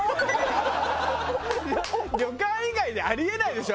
旅館以外であり得ないでしょ？